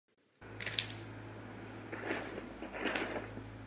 Vím, že někteří mí kolegové poslanci s tím nebudou souhlasit.